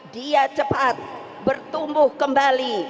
dia cepat bertumbuh kembali